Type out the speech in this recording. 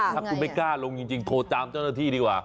ถ้าคุณไม่กล้าลงจริงโทรตามเจ้าหน้าที่ดีกว่า